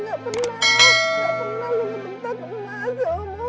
lu gak pernah lu gak pernah lu gak pernah